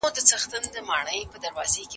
زمانه اوړي له هر کاره سره لوبي کوي